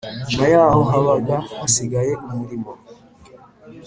Nyuma yaho habaga hasigaye umurimo